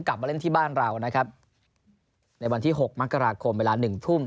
กลับมาเล่นที่บ้านเรานะครับในวันที่หกมกราคมเวลาหนึ่งทุ่ม